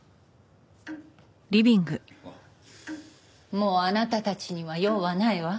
もうあなたたちには用はないわ。